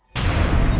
kalau kamu nangis terus